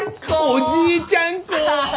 おじいちゃん子！